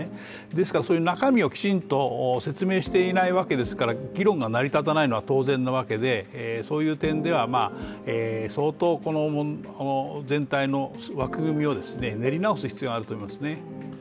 ですから、中身をきちんと説明していないわけですから、議論が成り立たないのは当然なわけで、そういう点では相当、この全体の枠組みを練り直す必要があると思いますね。